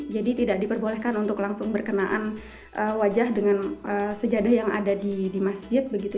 jadi tidak diperbolehkan untuk langsung berkenaan wajah dengan sejadah yang ada di masjid begitu